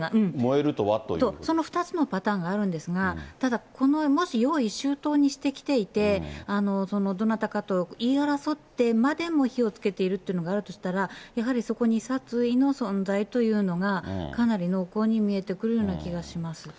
その２つのパターンがあるんですが、ただ、この、もし用意周到にして来ていて、どなたかと言い争ってまでも火をつけているというのがあるとしたら、やはりそこに殺意の存在というのが、かなり濃厚に見えてくるような気がします。